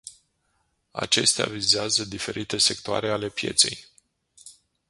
Acestea vizează diferite sectoare ale pieței.